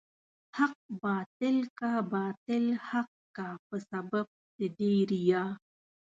حق باطل کا، باطل حق کا په سبب د دې ريا